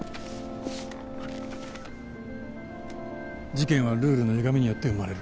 事件はルールの歪みによって生まれる。